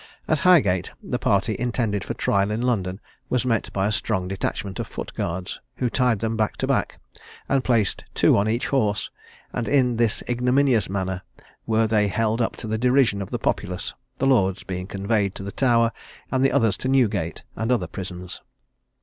At Highgate, the party intended for trial in London was met by a strong detachment of foot guards, who tied them back to back, and placed two on each horse; and in this ignominious manner were they held up to the derision of the populace, the lords being conveyed to the Tower, and the others to Newgate and other prisons.